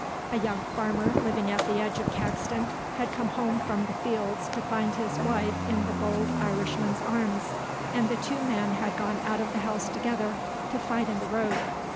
A young farmer living at the edge of Caxton had come home from the fields to find his wife in the bold Irishman's arms and the two men had gone out of the house together to fight in the road.